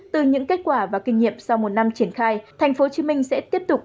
từ những kết quả và kinh nghiệm sau một năm triển khai thành phố hồ chí minh sẽ tiếp tục